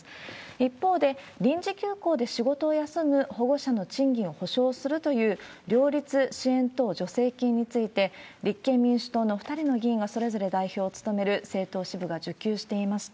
一方で臨時休校で仕事を休む保護者の賃金を補償するという、両立支援等助成金について、立憲民主党の２人の議員がそれぞれ代表を務める政党支部が受給していました。